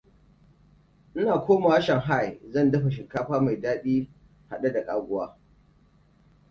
Ina komawa Shanghai, zan dafa shinkafa mai daɗi da haɗe da ƙaguwa.